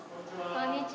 こんにちは。